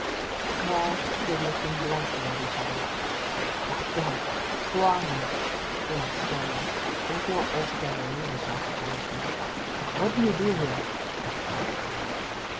The pair stood looking blankly at each other. 'My Gott, who are you?' he asked sternly, and with not altogether an English articulation. 'What do you do here?